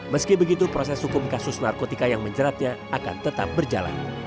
meski begitu proses hukum kasus narkotika yang menjeratnya akan tetap berjalan